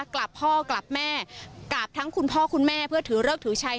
กลับพ่อกลับแม่กลับทั้งคุณพ่อคุณแม่เพื่อถือเลิกถือชัย